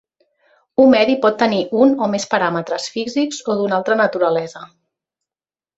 Un medi pot tenir un o més paràmetres, físics o d'una altra naturalesa.